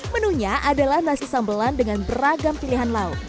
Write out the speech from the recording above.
menunya adalah nasi sambelan dengan beragam pilihan lauk